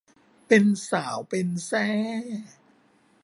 เป็นสาวเป็นแส้